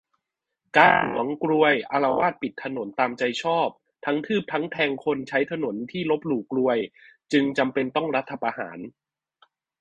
การ์ดหวงกรวยอาละวาดปิดถนนตามใจชอบ ทั้งทืบทั้งแทงคนใช้ถนนที่ลบหลู่กรวย จึงจำเป็นต้องรัฐประหาร